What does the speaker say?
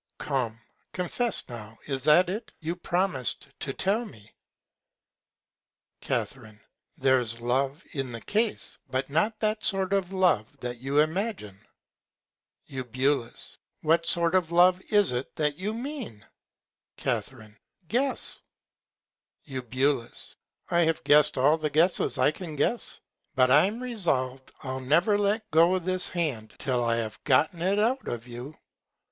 Come, confess now, is that it? You promis'd to tell me. Ca. There's Love in the Case, but not that Sort of Love that you imagine. Eu. What Sort of Love is it that you mean? Ca. Guess. Eu. I have guess'd all the Guesses I can guess; but I'm resolv'd I'll never let go this Hand till I have gotten it out of you.